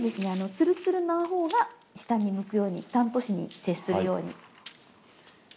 ツルツルなほうが下に向くようにタント紙に接するように。